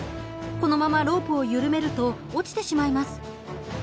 このままロープを緩めると落ちてしまいます。